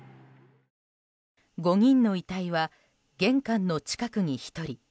５人の遺体は玄関の近くに１人。